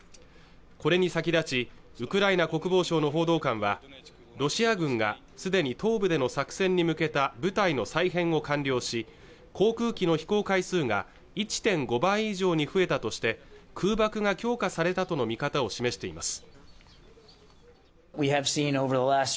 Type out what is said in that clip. これに先立ちウクライナ国防省の報道官はロシア軍が既に東部での作戦に向けた部隊の再編を完了し航空機の飛行回数が１．５倍以上に増えたとして空爆が強化されたとの見方を示しています